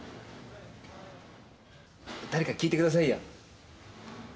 だれか聞いてくださいよ。